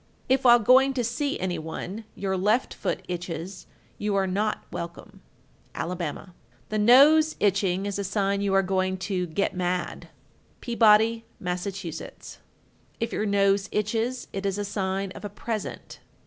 If while going to see any one your left foot itches, you are not welcome. Alabama. 1355. The nose itching is a sign you are going to "get mad." Peabody, Mass. 1356. If your nose itches, it is a sign of a present.